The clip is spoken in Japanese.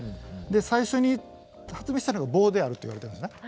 最初に発明したのが棒であるといわれてるんですね。